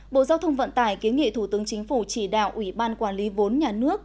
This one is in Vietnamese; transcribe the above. bộ giao thông vận tải kiến nghị thủ tướng chính phủ chỉ đạo ủy ban quản lý vốn nhà nước